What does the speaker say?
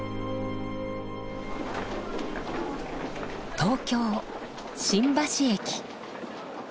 東京・新橋駅。